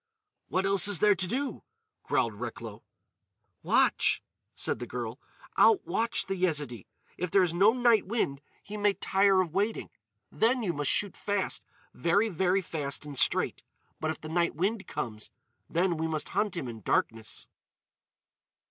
"What else is there to do?" growled Recklow. "Watch," said the girl. "Out watch the Yezidee. If there is no night wind he may tire of waiting. Then you must shoot fast—very, very fast and straight. But if the night wind comes, then we must hunt him in darkness."